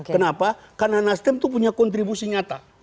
kenapa karena nasdem itu punya kontribusi nyata